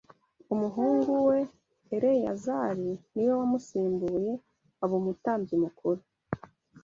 Umuhungu we Eleyazari ni we wamusimbuye aba umutambyi mukuru